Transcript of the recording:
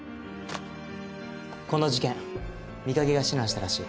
この事件美影が指南したらしい。